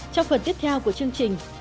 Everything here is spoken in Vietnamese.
trong phần tiếp theo của chương trình